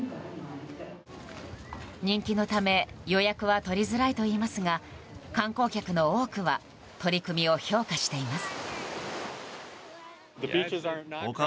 人気のため予約は取りづらいといいますが観光客の多くは取り組みを評価しています。